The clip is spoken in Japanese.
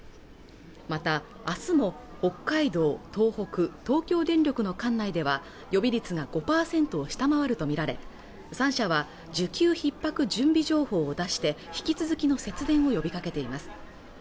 また明日も北海道、東北、東京電力の管内では予備率が５％を下回ると見られ３社は需給ひっ迫準備情報を出して引き続きの節電を呼びかけています